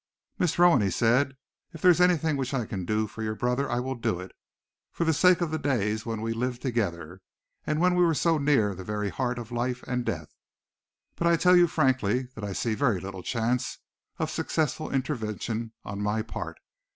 "Miss Rowan," he said, "if there is anything which I can do for your brother, I will do it, for the sake of the days when we lived together, and when we were so near the very heart of life and death. But I tell you frankly that I see very little chance of successful intervention on my part.